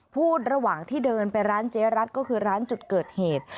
พูดระหว่างที่เดินไปร้านเจ๊รัฐก็คือร้านจุดเกิดเหตุ